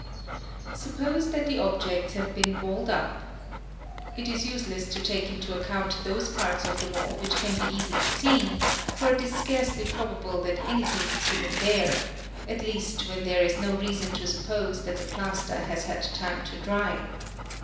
| Suppose that the objects have been walled up. It is useless to take into account those parts of the wall which can be easily seen, for it is a: scarcely probable that anything is hidden there—at least when there is "no reason to suppose that the plaster has had time to dry.